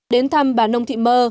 đến thăm bà nông thị mơ